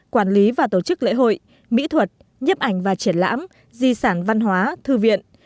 quản lý và tổ chức lễ hội mỹ thuật nhếp ảnh và triển lãm di sản văn hóa thư viện